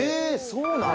そうなん？